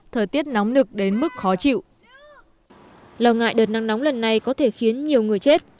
thời tiết nóng nực đến mức khó chịu lo ngại đợt nắng nóng lần này có thể khiến nhiều người chết